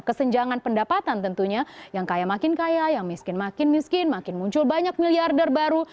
kesenjangan pendapatan tentunya yang kaya makin kaya yang miskin makin miskin makin muncul banyak miliarder baru